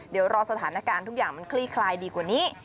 เดี๋ยวรอสถานการณ์ทุกอย่างมันคลี่คลายดีกว่านี้